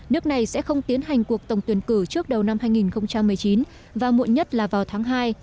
nước này sẽ không tiến hành cuộc tổng tuyển cử trước đầu năm hai nghìn một mươi chín và muộn nhất là vào tháng hai